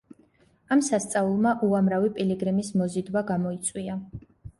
ამ სასწაულმა უამრავი პილიგრიმის მოზიდვა გამოიწვია.